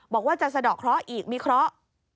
บอกว่าจะสะดอกเคราะห์อีกมีเคราะห์